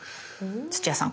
土屋さん。